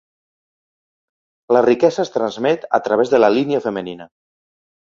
La riquesa es transmet a través de la línia femenina.